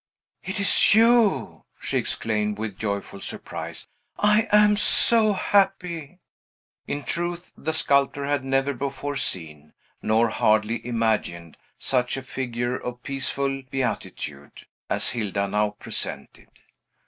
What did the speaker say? "It is you!" she exclaimed, with joyful surprise. "I am so happy." In truth, the sculptor had never before seen, nor hardly imagined, such a figure of peaceful beatitude as Hilda now presented.